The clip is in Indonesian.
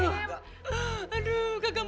wahr ada di dalam